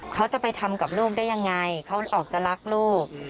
เขาจะไปทำกับลูกได้ยังไงเขาออกจะรักลูก